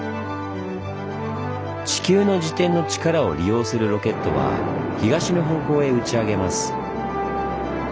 地球の自転のチカラを利用するロケットは東の方向へ打ち上げます。